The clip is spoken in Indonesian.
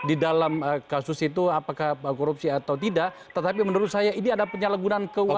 ini tidak terkait dengan pp sembilan puluh sembilan